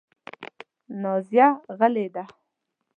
نازیه غلې ده .